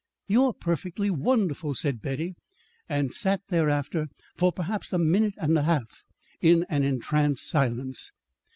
"You're perfectly wonderful," said Betty, and sat thereafter, for perhaps a minute and a half, in an entranced silence.